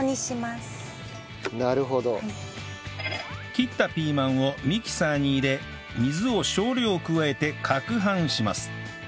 切ったピーマンをミキサーに入れ水を少量加えて攪拌します